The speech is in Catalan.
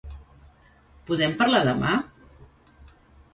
Podem parlar demà?